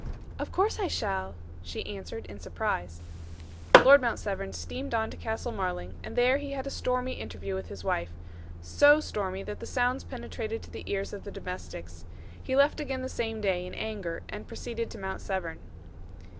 "Of course I shall," she answered, in surprise. Lord Mount Severn steamed on to Castle Marling, and there he had a stormy interview with his wife so stormy that the sounds penetrated to the ears of the domestics. He left again the same day, in anger, and proceeded to Mount Severn.